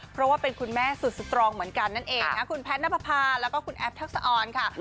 เพราะว่าเป็นคุณแม่สุดสตรองเหมือนกันนั่นเองนะคุณแพทย์นับประพาแล้วก็คุณแอฟทักษะออนค่ะ